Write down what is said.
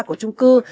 của trung cư